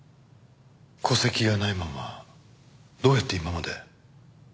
戸籍がないままどうやって今まで。